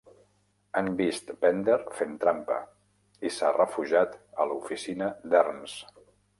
Han vist Bender fent trampa i s'ha refugiat a l'oficina d'Hermes.